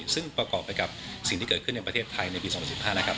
ซึ่งประกอบไปกับสิ่งที่เกิดขึ้นในประเทศไทยในปี๒๐๑๕นะครับ